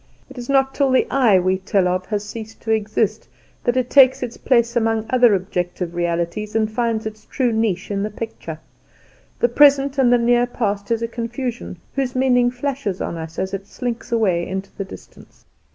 It is not till the I we tell of has ceased to exist that it takes its place among other objective realities, and finds its true niche in the picture. The present and the near past is a confusion, whose meaning flashes on us as it slinks away into the distance.